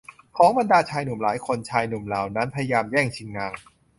ของบรรดาชายหนุ่มหลายคนชายหนุ่มเหล่านั้นพยายามแย่งชิงนาง